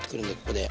ここで。